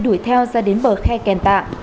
đuổi theo ra đến bờ khe kèn tạ